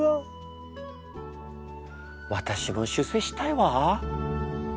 私も出世したいわ。